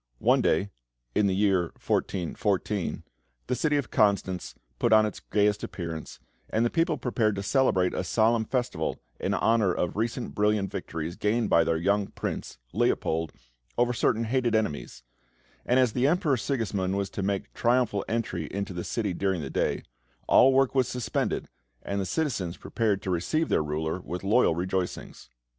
One day, in the year 1414, the city of Constance put on its gayest appearance, and the people prepared to celebrate a solemn festival in honour of recent brilliant victories gained by their young Prince, Leopold, over certain hated enemies, and as the Emperor Sigismund was to make a triumphal entry into the city during the day, all work was suspended, and the citizens prepared to receive their ruler with loyal rejoicings.